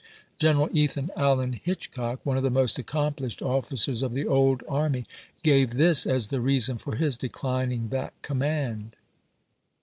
General Ethan Allen Hitch cock, one of the most accomplished officers of the old army, gave this as the reason for his declining that command.